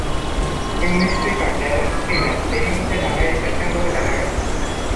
English cricketer Darren Stevens এরই মধ্যে ঢাকায় এসেছেন বলে জানা গেছে।